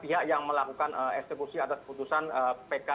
pihak yang melakukan eksekusi atas putusan pk